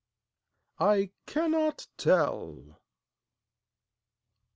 I cannot tell.